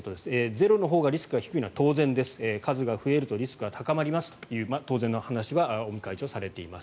ゼロのほうがリスクが低いのは当然です数が増えるとリスクが高まりますという当然の話は尾身会長されています。